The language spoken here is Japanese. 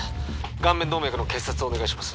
顔面動脈の結紮をお願いします